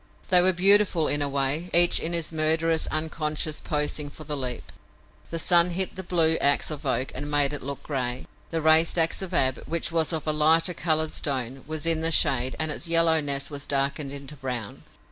They were beautiful in a way, each in his murderous, unconscious posing for the leap. The sun hit the blue ax of Oak and made it look a gray. The raised ax of Ab, which was of a lighter colored stone, was in the shade and its yellowness was darkened into brown.